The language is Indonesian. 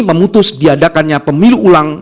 memutus diadakannya pemilu ulang